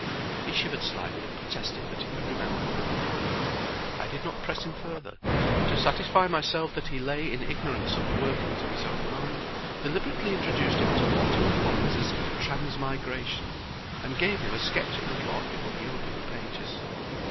He shivered slightly and protested that he could remember no more. I did not press him further, but to satisfy myself that he lay in ignorance of the workings of his own mind, deliberately introduced him to Mortimer Collins's "Transmigration," and gave him a sketch of the plot before he opened the pages.